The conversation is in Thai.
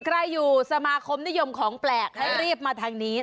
ใครอยู่สมาคมนิยมของแปลกให้รีบมาทางนี้